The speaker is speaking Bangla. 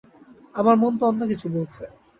আমার মন তো অন্যকিছু বলছে।